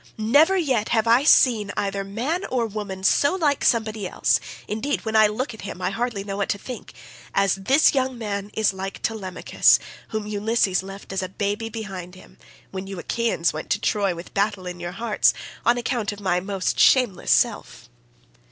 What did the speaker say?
Never yet have I seen either man or woman so like somebody else (indeed when I look at him I hardly know what to think) as this young man is like Telemachus, whom Ulysses left as a baby behind him, when you Achaeans went to Troy with battle in your hearts, on account of my most shameless self."